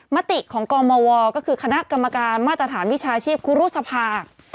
มติของกมวก็คือคณะกรรมการมาตรฐานวิชาชีพครูรุษภา